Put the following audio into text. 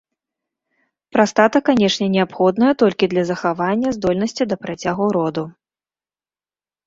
Прастата канечне неабходная толькі для захавання здольнасці да працягу роду.